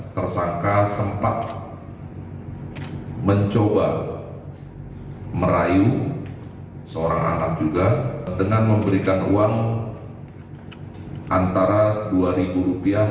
tersangka sempat mencoba merayu seorang anak juga dengan memberikan uang antara dua ribu rupiah